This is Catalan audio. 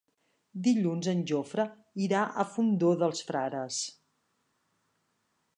Dilluns en Jofre irà al Fondó dels Frares.